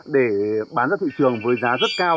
để bán ra thị trường với giá rất cao